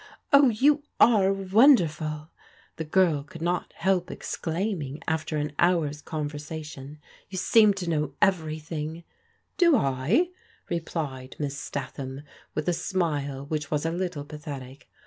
" Oh, you are wonderful !" the girl could not help ex claiming after an hour's conversation. "You seem to know ever)rthing." " Do I ?" replied Miss Statham with a smile which was a little pathetic.